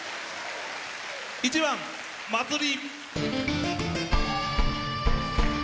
１番「まつり」。